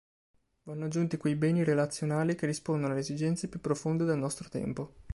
Vanno aggiunti quei "beni relazionali" che rispondono alle esigenze più profonde del nostro tempo.